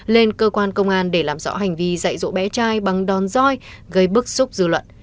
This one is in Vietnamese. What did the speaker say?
lên cơ quan công an để làm rõ hành vi dạy rỗ bé trai bằng đòn roi gây bức xúc dư luận